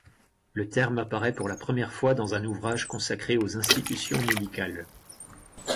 Le terme apparaît pour la première fois dans un ouvrage consacré aux institutions médicales.